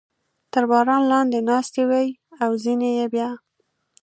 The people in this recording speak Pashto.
تر باران لاندې ناستې وې او ځینې یې بیا.